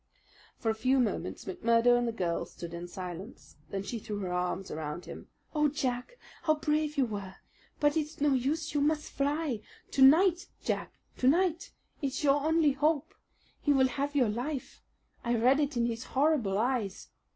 For a few moments McMurdo and the girl stood in silence. Then she threw her arms around him. "Oh, Jack, how brave you were! But it is no use, you must fly! To night Jack to night! It's your only hope. He will have your life. I read it in his horrible eyes.